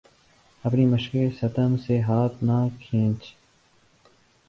اپنی مشقِ ستم سے ہاتھ نہ کھینچ